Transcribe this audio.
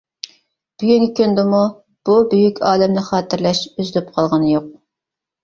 بۈگۈنكى كۈندىمۇ بۇ بۈيۈك ئالىمنى خاتىرىلەش ئۈزۈلۈپ قالغىنى يوق.